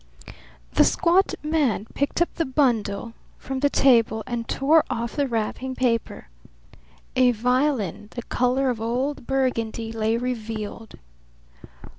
The squat man picked up the bundle from the table and tore off the wrapping paper. A violin the colour of old Burgundy lay revealed.